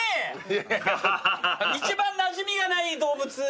一番なじみがない動物。